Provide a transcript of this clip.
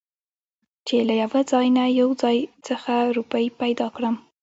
چې له يوه ځاى نه يو ځاى خڅه روپۍ پېدا کړم .